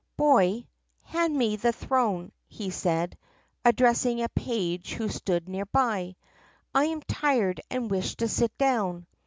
" 'Boy, hand me the throne,' he said, addressing a page who stood near by. 'I am tired and wish to sit down.